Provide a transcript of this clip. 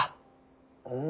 うん？